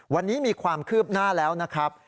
วันนี้มีความคืบหน้าแล้วนะครับ